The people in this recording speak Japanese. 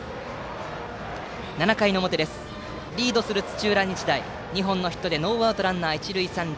７回表、リードする土浦日大２本のヒットでノーアウトランナー、一塁三塁。